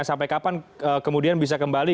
sampai kapan kemudian bisa kembali